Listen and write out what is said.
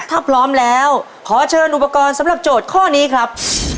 ถ้าพร้อมแล้วขอเชิญอุปกรณ์สำหรับโจทย์ข้อนี้ครับ